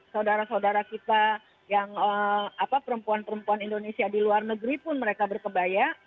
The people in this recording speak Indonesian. saudara saudara kita yang perempuan perempuan indonesia di luar negeri pun mereka berkebaya